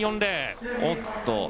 おっと。